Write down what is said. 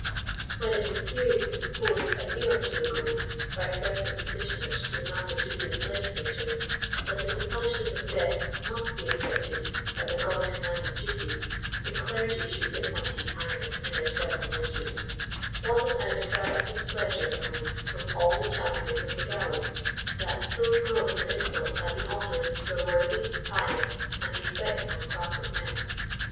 When it was seriously proposed a year or two ago, by certain petitioners to the Massachusetts Legislature, that if the punishment of death must be inflicted as a God commanded duty, the clergy should be appointed hangmen in their several districts, what an out cry of displeasure arose from all the champions of the gallows, that so gross an insult had been offered to a worthy, pious and 82 respectable class of men.